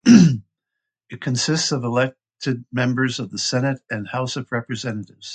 It consists of elected members of the Senate and House of Representatives.